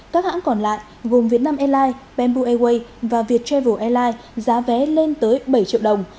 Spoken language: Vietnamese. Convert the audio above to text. các hãng còn lại gồm vietnam airlines bamboo airways và viettravel airlines giá vé lên tới bảy triệu đồng